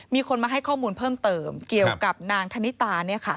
มีคนมาให้ข้อมูลเพิ่มเติมเกี่ยวกับนางธนิตา